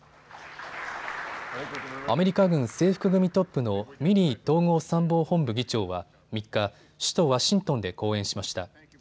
アメリカ軍制服組トップのミリー統合参謀本部議長は３日、首都ワシントンで講演しました。